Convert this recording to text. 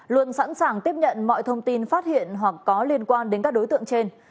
luôn sẵn sàng tiếp nhận mọi thông tin phát hiện hoặc có liên quan đến các đối tượng trên